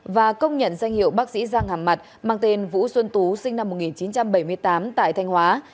và công nhận danh hiệu bác sĩ giang hà mặt mang tên vũ xuân tú sinh năm một nghìn chín trăm bảy mươi tám tại thanh hóa